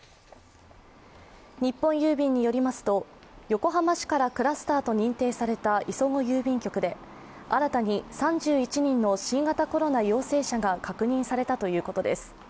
日本郵便によりますと横浜市からクラスターと認定された磯子郵便局で、新たに３１人の新型コロナ陽性者が確認されたということです。